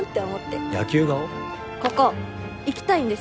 ここ行きたいんです。